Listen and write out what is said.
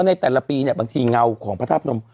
ก็ในแต่ละปีเนี้ยบางทีเงาของภาษาพนม